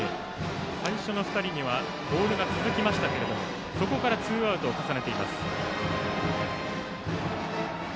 最初の２人にはボールが続きましたがそこからツーアウトを重ねています。